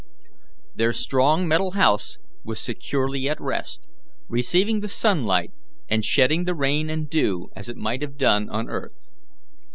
Their strong metal house was securely at rest, receiving the sunlight and shedding the rain and dew as it might have done on earth.